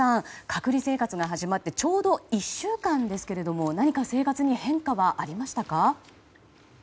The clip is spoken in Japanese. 隔離生活が始まってちょうど１週間ですが何か生活に変化はありましたか。